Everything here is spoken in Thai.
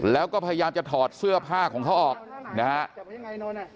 แล้วก็พยายามจะถอดเสื้อผ้าของเขาออกนะฮะ